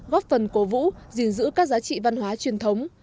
góp phần cố vũ gìn giữ các giá trị văn hóa truyền thống